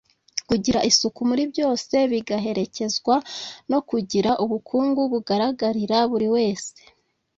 kugira isuku muri byose bigaherekezwa no kugira ubukungu bugaragarira buri wese